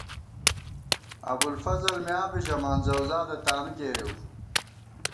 ابُوالفضل میاں بی ژَمان ، زؤزادہ تانُو کېرِؤ